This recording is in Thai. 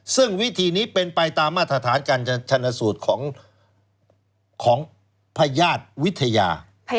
ซึ่งวิธีนี้เป็นไปตามมาตรฐานการชนสูตรของพญาติวิทยา